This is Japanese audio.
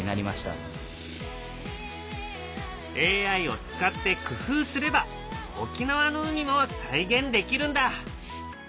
ＡＩを使って工夫すれば沖縄の海も再現できるんだ。